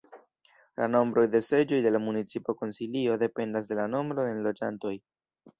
La nombro de seĝoj de la municipa Konsilio dependas de la nombro de enloĝantoj.